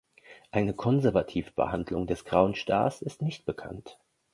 Eine konservative Behandlung des Grauen Stars ist nicht bekannt.